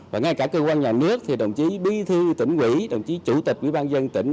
và ngay cả cơ quan nhà nước thì đồng chí bí thư tỉnh quỹ đồng chí chủ tịch quỹ ban dân tỉnh